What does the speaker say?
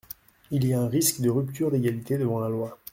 Il y a un risque de rupture d’égalité devant la loi.